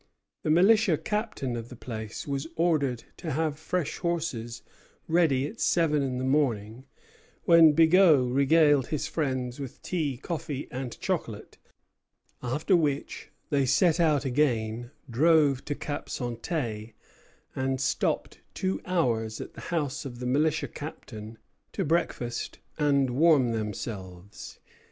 The militia captain of the place was ordered to have fresh horses ready at seven in the morning, when Bigot regaled his friends with tea, coffee, and chocolate, after which they set out again, drove to Cap Santé, and stopped two hours at the house of the militia captain to breakfast and warm themselves.